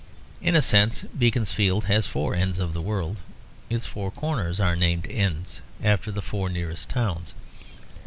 In a sense Beaconsfield has four ends of the world, for its four corners are named "ends" after the four nearest towns.